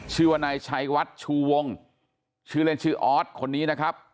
ชื่อว่านายชัยวัดชูวงชื่อเล่นชื่อออสคนนี้นะครับ